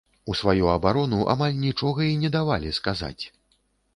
У сваю абарону амаль нічога і не давалі сказаць.